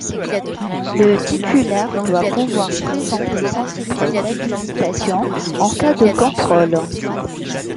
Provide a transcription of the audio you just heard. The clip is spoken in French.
Le titulaire doit pouvoir présenter son titre d'habilitation en cas de contrôle.